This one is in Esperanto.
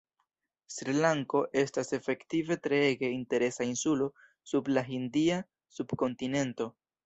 Sri-Lanko estas efektive treege interesa insulo sub la hindia subkontinento.